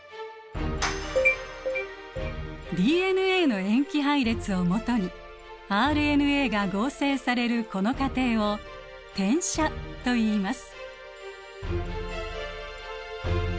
ＤＮＡの塩基配列をもとにＲＮＡが合成されるこの過程を「転写」といいます。